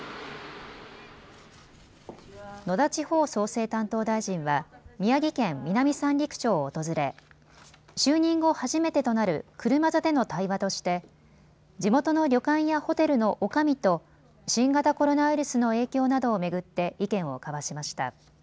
野田地方創生担当大臣は宮城県南三陸町を訪れ、就任後、初めてとなる車座での対話として地元の旅館やホテルのおかみと新型コロナウイルスの影響などを巡って意見を交わしました。